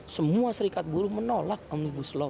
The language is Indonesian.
semua serikat buruh menolak omnibus law